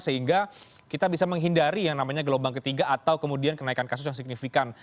sehingga kita bisa menghindari yang namanya gelombang ketiga atau kemudian kenaikan kasus yang signifikan